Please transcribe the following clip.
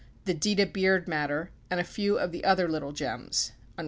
. the Dita Beard matter, and a few of the other little gems."